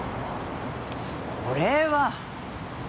それは。